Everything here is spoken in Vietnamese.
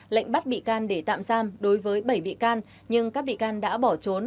lệnh bắt bị can để tạm giam đối với bảy bị can nhưng các bị can đã bỏ trốn